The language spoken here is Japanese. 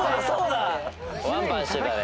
そうだよ！